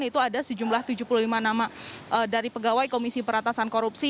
yaitu ada sejumlah tujuh puluh lima nama dari pegawai komisi pemberantasan korupsi